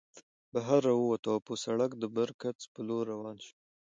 بهر راووتو او پۀ سړک د برکڅ په لور روان شو